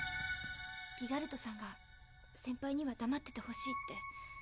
ギガルトさんが「センパイにはだまっててほしい」って。